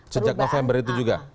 sejak november itu juga